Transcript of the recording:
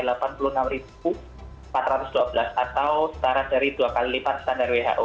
jadi ini adalah empat puluh enam empat ratus dua belas atau setara dari dua kali lipat standar who